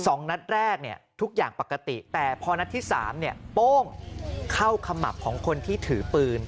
สองนัดแรกเนี่ยทุกอย่างปกติแต่พอนัดที่สามเนี่ยโป้งเข้าขมับของคนที่ถือปืน